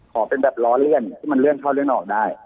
ขอเป็นแบบล้อเลี่ยนที่มันเลื่อนเข้าเลื่อนออกได้